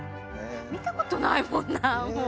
見たことないもんなもう。